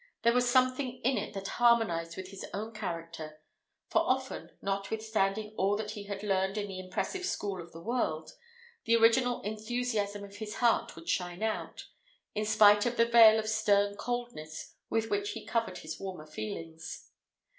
There was something in it that harmonized with his own character; for often, notwithstanding all that he had learned in the impressive school of the world, the original enthusiasm of his heart would shine out, in spite of the veil of stern coldness with which he covered his warmer feelings.